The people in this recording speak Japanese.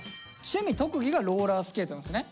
趣味・特技がローラースケートなんですね。